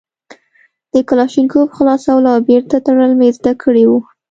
د کلاشينکوف خلاصول او بېرته تړل مې زده کړي وو.